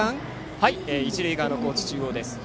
一塁側の高知中央です。